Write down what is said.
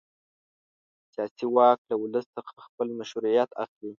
سیاسي واک له ولس څخه خپل مشروعیت اخلي.